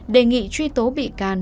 đề nghị truy tố bị can